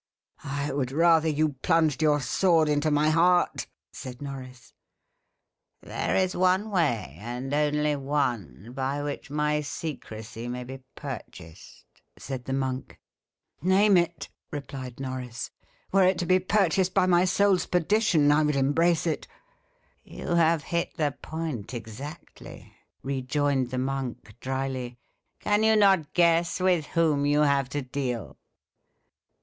"I would rather you plunged your sword into my heart," said Norris. "There is one way and only one by which my secrecy may be purchased," said the monk. "Name it," replied Norris. "Were it to be purchased by my soul's perdition, I would embrace it." "You have hit the point exactly," rejoined the monk drily. "Can you not guess with whom you have to deal?"